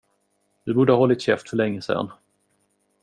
Du borde ha hållit käft för länge sen.